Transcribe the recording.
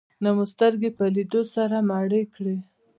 نه مو سترګې په لیدو سره مړې کړې.